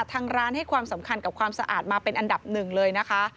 ทางร้านให้ความสำคัญกับความสะอาดมาเป็นอันดับหนึ่งเลยนะคะ